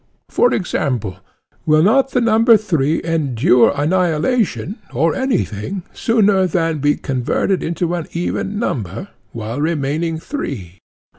For example; Will not the number three endure annihilation or anything sooner than be converted into an even number, while remaining three?